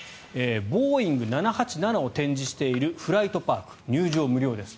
ボーイング７８７を展示しているフライトパーク、入場無料です。